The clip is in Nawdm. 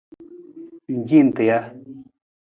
Ng ci nta ja?